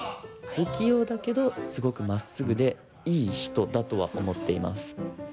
不器用だけどすごくまっすぐでいい人だとは思っています。